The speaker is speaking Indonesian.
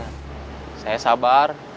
mungkin ada jalan keluar